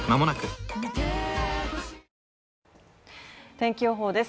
天気予報です。